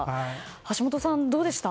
橋下さん、どうでしたか？